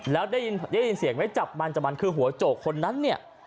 แล้วได้ยินเสียงไหมจับมันจับมันคือหัวโจกคนนั้นเนี่ย